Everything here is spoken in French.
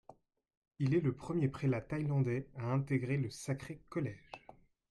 Il est le premier prélat thaïlandais à intégrer le Sacré Collège.